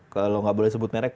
kalau nggak boleh sebut merek